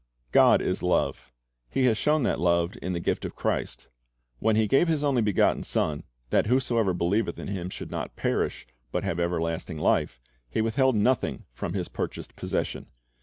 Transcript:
God is love. He has shown that love in the gift of Christ. When "He gave His only begotten Son, that whosoever believeth in Him should not perish, but have everlasting life,"* He withheld nothing from His purchased possession.